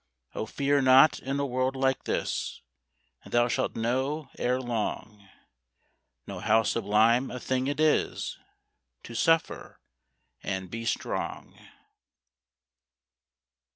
Oh, fear not in a world like this, And thou shalt know ere long, Know how sublime a thing it is To suffer and be strong.